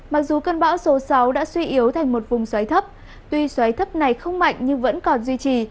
mặc dù cơn bão số sáu đã suy yếu thành một vùng xoáy thấp tuy xoáy thấp này không mạnh nhưng vẫn còn duy trì